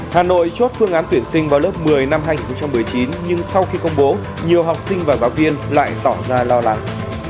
hà nội chốt phương án tuyển sinh vào lớp một mươi năm hai nghìn một mươi chín nhưng sau khi công bố nhiều học sinh và giáo viên lại tỏ ra lo lắng